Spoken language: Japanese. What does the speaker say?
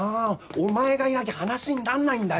お前がいなきゃ話になんないんだよ！